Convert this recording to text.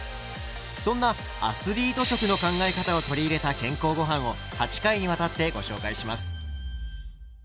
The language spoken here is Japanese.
そんな「アスリート食」の考え方を取り入れた健康ごはんを８回にわたってご紹介します。